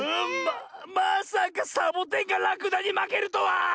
まさかサボテンがらくだにまけるとは！